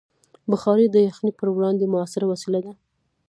بخاري د یخنۍ پر وړاندې مؤثره وسیله ده.